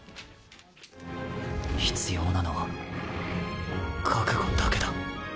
必要なのは、覚悟だけだ。